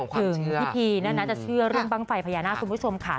ถึงพี่พีน่าจะเชื่อเรื่องบ้างไฟพญานาคคุณผู้ชมค่ะ